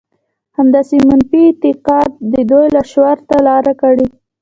همدغه منفي اعتقاد د دوی لاشعور ته لاره کړې.